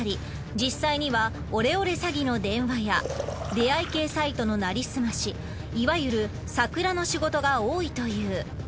実際にはオレオレ詐欺の電話や出会い系サイトの成り済ましいわゆるサクラの仕事が多いという。